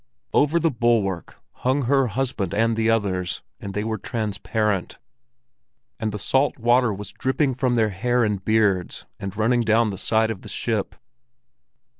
Over the bulwark hung her husband and the others, and they were transparent; and the salt water was dripping from their hair and beards and running down the side of the ship.